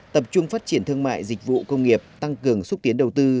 tập trung phát triển thương mại dịch vụ công nghiệp tăng cường xúc tiến đầu tư